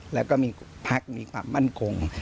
แล้วก็มีพักมีความมั่นคง